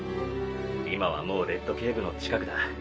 今はもうレッドケイブの近くだ。